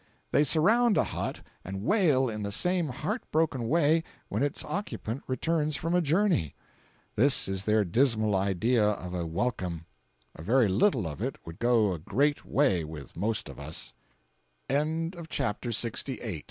They surround a hut and wail in the same heart broken way when its occupant returns from a journey. This is their dismal idea of a welcome. A very little of it would go a great way with most of us. CHAPTER LXIX.